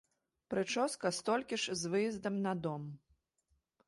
Прычоска столькі ж з выездам на дом.